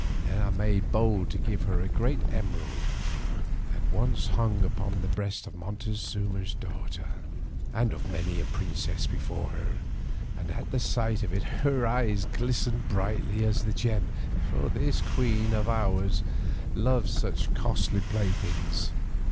Then I made bold to give her a great emerald that once had hung upon the breast of Montezuma's daughter, and of many a princess before her, and at the sight of it her eyes glistened brightly as the gem, for this Queen of ours loves such costly playthings.